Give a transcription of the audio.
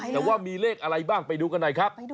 แต่ว่ามีเลขอะไรบ้างไปดูกันหน่อยครับ